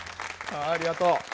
ありがとう。